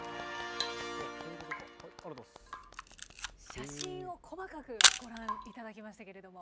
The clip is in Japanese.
写真を細かくご覧いただきましたけれども。